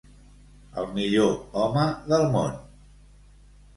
El millor home del món.